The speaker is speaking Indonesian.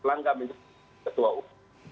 pelanggan menjadi ketua usaha